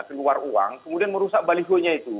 keluar uang kemudian merusak balihonya itu